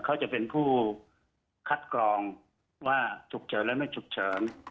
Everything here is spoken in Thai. เขาจะเป็นผู้คัดกรองว่าฉุกเฉินและไม่ฉุกเฉิน